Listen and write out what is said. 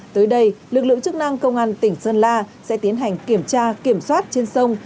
tới đây lực lượng chức năng công an tỉnh sơn la sẽ tiến hành kiểm tra kiểm soát trên sông